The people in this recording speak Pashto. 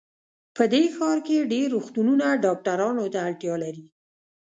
په دې ښار کې ډېر روغتونونه ډاکټرانو ته اړتیا لري